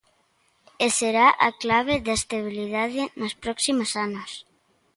E será a clave da estabilidade nos próximos anos.